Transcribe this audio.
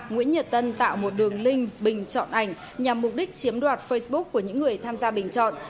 nguyễn nhật tân tạo một đường link bình chọn ảnh nhằm mục đích chiếm đoạt facebook của những người tham gia bình chọn